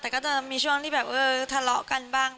แต่ก็จะมีช่วงที่แบบเออทะเลาะกันบ้าง